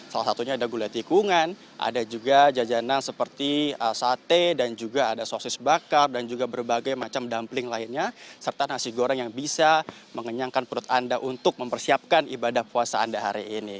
salah satunya ada gulai tikungan ada juga jajanan seperti sate dan juga ada sosis bakar dan juga berbagai macam dumpling lainnya serta nasi goreng yang bisa mengenyangkan perut anda untuk mempersiapkan ibadah puasa anda hari ini